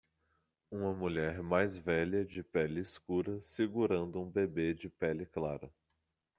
Uma mulher mais velha de pele escura segurando um bebê de pele clara.